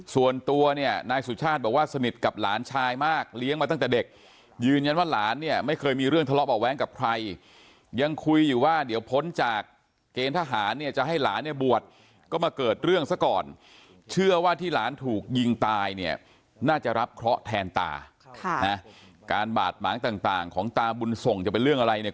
ส่วนตัวเนี่ยนายสุชาติบอกว่าสนิทกับหลานชายมากเลี้ยงมาตั้งแต่เด็กยืนยันว่าหลานเนี่ยไม่เคยมีเรื่องทะเลาะเบาะแว้งกับใครยังคุยอยู่ว่าเดี๋ยวพ้นจากเกณฑ์ทหารเนี่ยจะให้หลานเนี่ยบวชก็มาเกิดเรื่องซะก่อนเชื่อว่าที่หลานถูกยิงตายเนี่ยน่าจะรับเคราะห์แทนตาค่ะนะการบาดหมางต่างของตาบุญส่งจะเป็นเรื่องอะไรเนี่ย